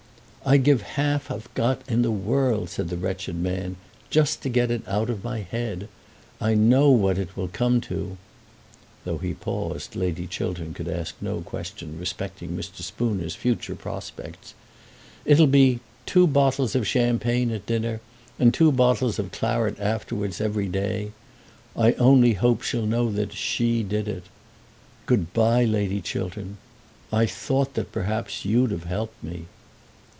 "I'd give half I've got in all the world," said the wretched man, "just to get it out of my head. I know what it will come to." Though he paused, Lady Chiltern could ask no question respecting Mr. Spooner's future prospects. "It'll be two bottles of champagne at dinner, and two bottles of claret afterwards, every day. I only hope she'll know that she did it. Good bye, Lady Chiltern. I thought that perhaps you'd have helped me."